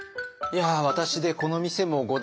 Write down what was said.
いや私でこの店も五代目。